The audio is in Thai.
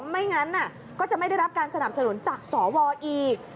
ไม่งั้นก็จะไม่ได้รับการสนับสนุนจากสวอีก